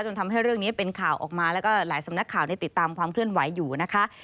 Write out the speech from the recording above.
ทำให้เรื่องนี้เป็นข่าวออกมาแล้วก็หลายสำนักข่าวติดตามความเคลื่อนไหวอยู่นะคะ